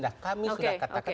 nah kami sudah katakan